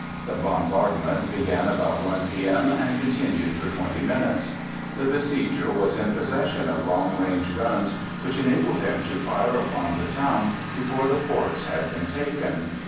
The bombardment began about 1 p. m. and continued for twenty minutes. The besieger was in possession of long range guns, which enabled him to fire upon the town before the forts had been taken.